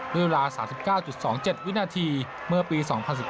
ด้วยเวลา๓๙๒๗วินาทีเมื่อปี๒๐๑๙